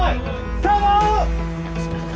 スタート！